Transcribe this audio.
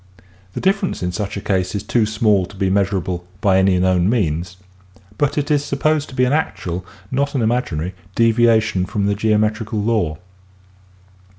The difference in such a case is too small to be measurable by any known means, but it is sup posed to be an actual, not an imaginary, deviation from the geometrical law.